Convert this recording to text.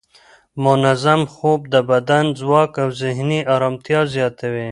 منظم خوب د بدن ځواک او ذهني ارامتیا زیاتوي.